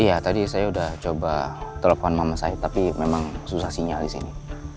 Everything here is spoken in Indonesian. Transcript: iya tadi saya udah coba telepon mama saya tapi memang susah sinyal disini